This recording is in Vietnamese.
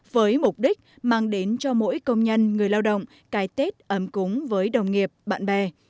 với mục đích mang đến cho mỗi công nhân người lao động cái tết ấm cúng với đồng nghiệp bạn bè